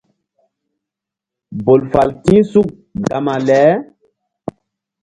Bol fal ti̧h suk gama le.